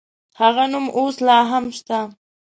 هغه نوم اوس لا هم شته.